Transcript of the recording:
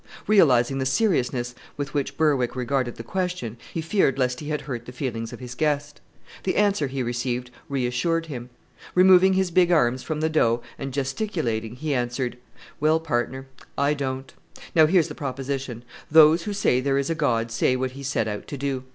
Realizing the seriousness with which Berwick regarded the question, he feared lest he had hurt the feelings of his guest. The answer he received reassured him. Removing his big arms from the dough, and gesticulating, he answered, "Well, partner, I don't. Now here's the proposition: those who say there is a God say what He set out to do.